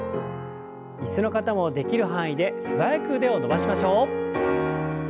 椅子の方もできる範囲で素早く腕を伸ばしましょう。